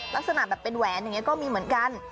ลักษณะแบบเป็นแหวนอย่างนี้ก็มีเหมือนกัน